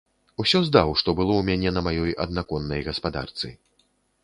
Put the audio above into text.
Усё здаў, што было ў мяне на маёй аднаконнай гаспадарцы.